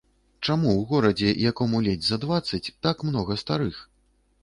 Чаму ў горадзе, якому ледзь за дваццаць, так многа старых?